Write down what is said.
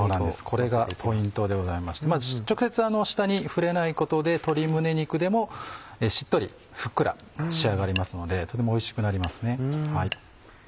これがポイントでございまして直接下に触れないことで鶏胸肉でもしっとりふっくら仕上がりますのでとてもおいしくなりますね。